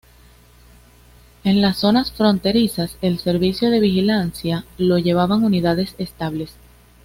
En las zonas fronterizas el servicio de vigilancia lo llevaban unidades estables.